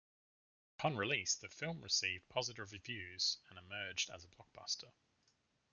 Upon release the film received positive reviews, and emerged as a blockbuster.